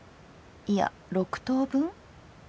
いや６等分。